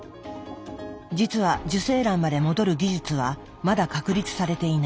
実は受精卵まで戻る技術はまだ確立されていない。